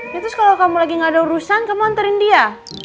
ya terus kalau kamu lagi gak ada urusan kamu antarin dia